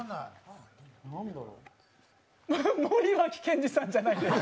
森脇健児さんじゃないです。